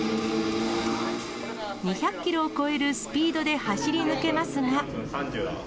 ２００キロを超えるスピードで走り抜けますが。